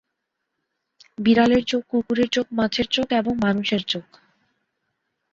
বিড়ালের চোখ, কুকুরের চোখ, মাছের চোখ এবং মানুষের চোখ।